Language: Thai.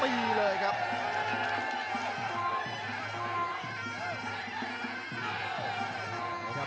ตีเลยครับ